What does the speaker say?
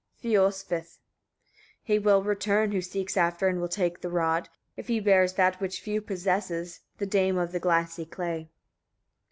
Fiolsvith. 29. He will return who seeks after, and will take, the rod, if he bears that which few possess to the dame of the glassy clay.